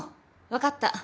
分かった。